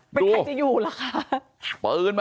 เป็นใครจะอยู่ล่ะคะ